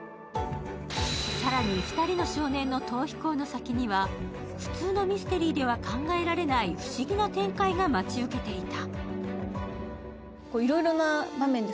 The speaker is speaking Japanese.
更に２人の少年の逃避行の先には普通のミステリーでは考えられない不思議な展開が待ち受けていた。